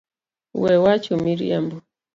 We wacho miriambo